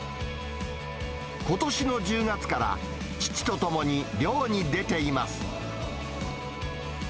ことしの１０月から父と共に漁に出ています。